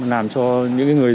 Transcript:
làm cho những người